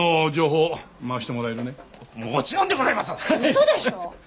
嘘でしょ！？